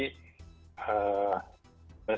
ya seperti misalnya dibatasi